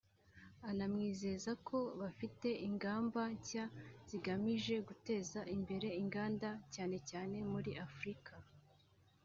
anamwizeza ko bafite ingamba nshya zigamije guteza imbere inganda cyane cyane muri Afurika